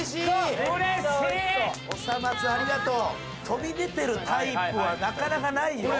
飛び出てるタイプはなかなかないよ。